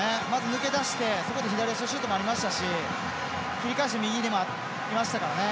抜け出してそこで左足のシュートもありましたし切り替えして右にもありましたからね。